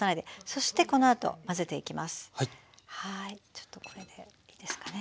ちょっとこれでいいですかね。